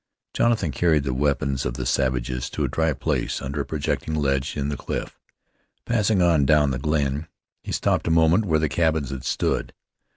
Jonathan carried the weapons of the savages to a dry place under a projecting ledge in the cliff. Passing on down the glen, he stopped a moment where the cabins had stood.